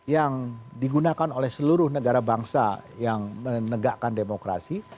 yang digunakan oleh seluruh negara bangsa yang menegakkan demokrasi